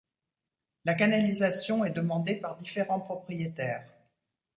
La canalisation est demandée par différents propriétaires.